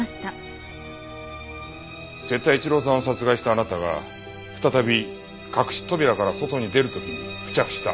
瀬田一郎さんを殺害したあなたが再び隠し扉から外に出る時に付着した。